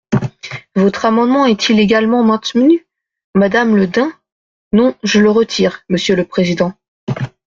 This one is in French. Votre amendement est-il également maintenu, madame Le Dain ? Non, je le retire, monsieur le président.